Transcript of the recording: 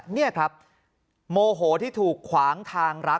นี่โมโหที่ถูกขวางทางรัก